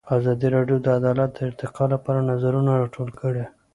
ازادي راډیو د عدالت د ارتقا لپاره نظرونه راټول کړي.